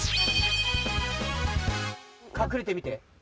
かくれてみて。